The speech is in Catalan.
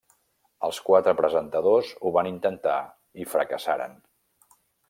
Els quatre presentadors ho van intentar i fracassaren.